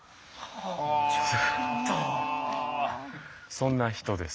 そんな人です。